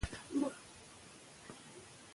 کله چې ونې وکرل شي، هوا پاکېږي.